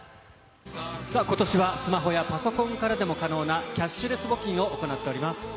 ことしはスマホやパソコンからでも可能なキャッシュレス募金を行っています。